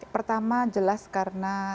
pertama jelas karena